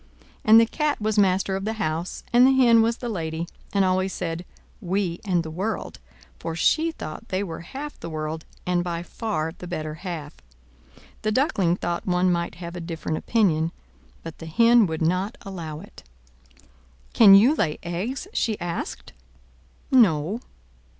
And the Cat was master of the house, and the Hen was the lady, and always said "We and the world!" for she thought they were half the world, and by far the better half. The Duckling thought one might have a different opinion, but the Hen would not allow it. "Can you lay eggs?" she asked. "No."